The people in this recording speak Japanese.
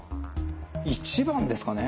１番ですかね？